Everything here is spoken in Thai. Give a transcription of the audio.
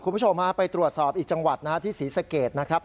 คุณผู้ชมฮะไปตรวจสอบอีกจังหวัดนะฮะที่ศรีสเกตนะครับ